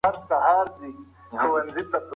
ثمر ګل وویل چې د ځمکې خدمت کول عبادت دی.